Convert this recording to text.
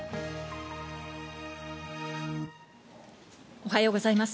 おはようございます。